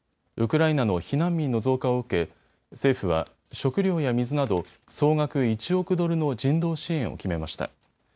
ウクライナの避難民の増加を受け政府は食料や水など総額１億ドルの人道支援を決めました。